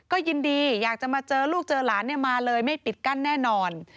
ก็ยินดีอยากจะมาเจอลูกเจอหลานมาเลยไม่ปิดกั้นแน่นอน